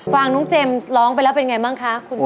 ฟังน้องเจมส์ร้องไปแล้วเป็นไงบ้างคะคุณแม่